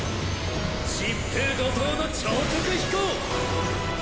疾風怒とうの超速飛行！